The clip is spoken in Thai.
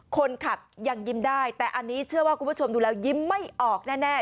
คนขับยังยิ้มได้แต่อันนี้เชื่อว่าคุณผู้ชมดูแล้วยิ้มไม่ออกแน่